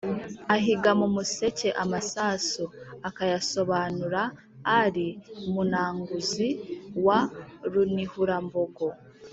ahiga mu musekeamasasu akayasobanura ali Munanguzi wa Runihurambogo.